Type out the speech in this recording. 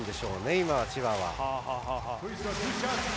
今、千葉は。